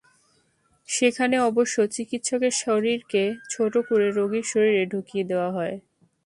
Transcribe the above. সেখানে অবশ্য চিকিৎসকের শরীরকে ছোট করে রোগীর শরীরে ঢুকিয়ে দেওয়া হয়।